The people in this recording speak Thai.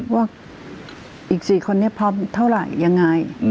ว่าอีก๔คนนี้พร้อมเท่าไหร่ยังไง